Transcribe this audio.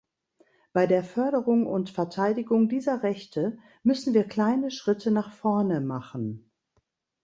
Bei der Förderung und Verteidigung dieser Rechte müssen wir kleine Schritte nach vorne machen.